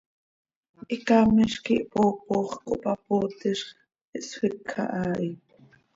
Hicaamiz quih hpoopox, cohpapootizx, ihsfíc haa hi.